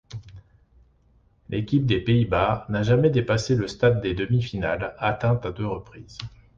L'équipe des Pays-Bas n'a jamais dépassé le stade des demi-finales, atteintes à deux reprises.